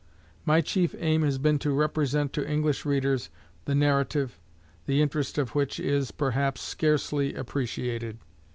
My chief aim has been to represent to English readers the narrative, the interest of which is, perhaps, scarcely appreciated.